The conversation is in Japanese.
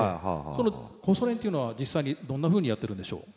そのコソ練というのは実際にどんなふうにやってるんでしょう？